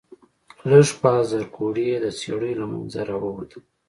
لږ پاس زرکوړي د څېړيو له منځه راووتل.